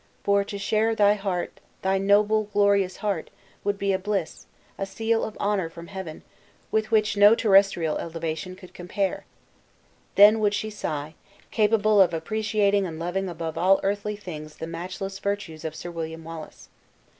For, to share thy heart thy noble, glorious heart would be a bliss, a seal of honor from Heaven, with which no terrestrial elevation could compare!" Then would she sigh; capable of appreciating and loving above all earthly things the matchless virtues of Sir William Wallace.